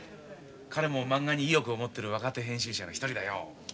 彼もまんがに意欲を持ってる若手編集者の一人だよ。